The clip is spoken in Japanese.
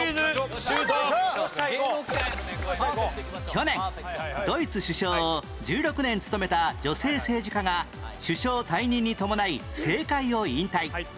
去年ドイツ首相を１６年務めた女性政治家が首相退任に伴い政界を引退